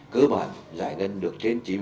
cứ bản giải ngân được triển trị